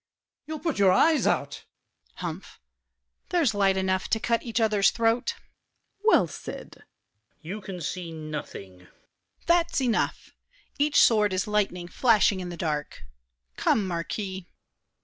You'll put your eyes out. DIDIER. Humph! There's light enough to cut each other's throat. SAVERNY. Well said! VILLAC. You can see nothing. DIDIER. That's enough! Each sword is lightning flashing in the dark. Come, Marquis!